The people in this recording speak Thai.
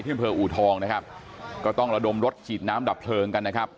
อำเภออูทองนะครับก็ต้องระดมรถฉีดน้ำดับเพลิงกันนะครับ